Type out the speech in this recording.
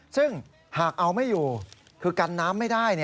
ซึ่งหากเอาไม่อยู่คือกันน้ำไม่ได้